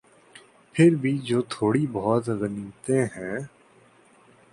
پھر بھی جو تھوڑی بہت غنیمتیں ہیں۔